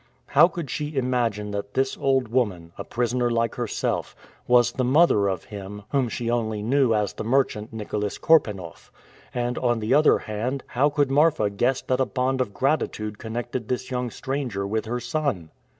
How could she imagine that this old woman, a prisoner like herself, was the mother of him, whom she only knew as the merchant Nicholas Korpanoff? And on the other hand, how could Marfa guess that a bond of gratitude connected this young stranger with her son?